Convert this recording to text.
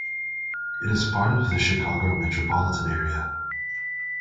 It is part of the Chicago metropolitan area.